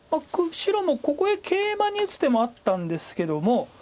白もここへケイマに打つ手もあったんですけども。